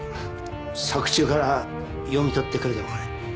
作中から読み取ってくれたのかね？